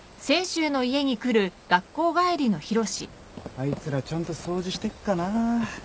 あいつらちゃんと掃除してっかな。